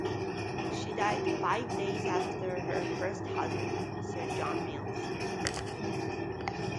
She died five days after her first husband, Sir John Mills.